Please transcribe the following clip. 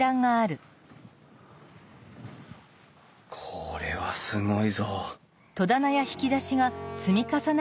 これはすごいぞ！